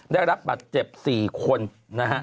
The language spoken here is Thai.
ได้รับบัตรเจ็บ๔คนนะฮะ